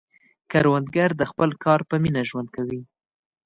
کروندګر د خپل کار په مینه ژوند کوي